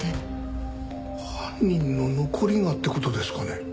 犯人の残り香って事ですかね？